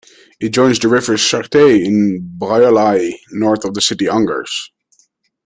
It joins the river Sarthe in Briollay, north of the city Angers.